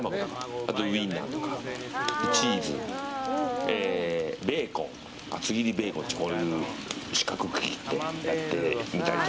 あとウインナー、チーズベーコン、厚切りベーコンこういう四角く切って。